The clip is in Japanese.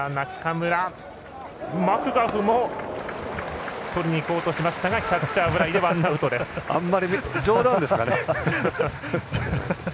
マクガフもとりにいこうとしましたがキャッチャーフライでワンアウトです。